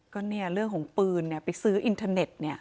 ก็เนี่ยเรื่องของปืนไปซื้ออินเทอร์เน็ตเนี่ย